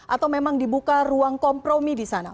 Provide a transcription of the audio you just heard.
atau memang dibuka ruang kompromi di sana